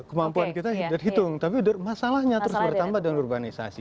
kemampuan kita hitung tapi masalahnya terus bertambah dengan urbanisasi